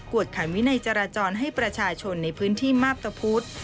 วดขันวินัยจราจรให้ประชาชนในพื้นที่มาพตะพุธ